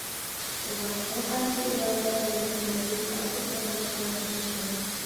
ئۇلار ھەرقايسى ئىدارە، جەمئىيەتلەردىن ئارتىس تاللاشقا كىرىشىدۇ.